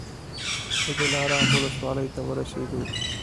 د دلارام ولسوالۍ ته ورسېدو.